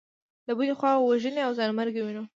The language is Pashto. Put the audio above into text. له بلې خوا وژنې او ځانمرګي وینو.